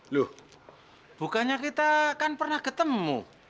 loh bukannya kita kan pernah ketemu